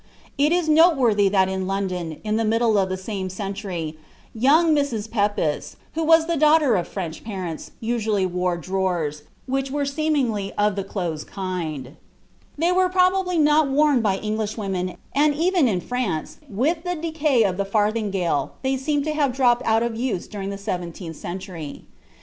It is noteworthy that in London, in the middle of the same century, young Mrs. Pepys, who was the daughter of French parents, usually wore drawers, which were seemingly of the closed kind. (Diary of S. Pepys, ed. Wheatley, May 15, 1663, vol. iii.) They were probably not worn by Englishwomen, and even in France, with the decay of the farthingale, they seem to have dropped out of use during the seventeenth century.